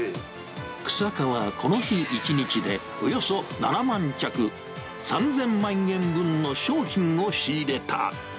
日下はこの日一日で、およそ７万着、３０００万円分の商品を仕入れた。